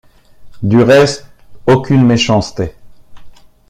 Du reste, aucune méchanceté.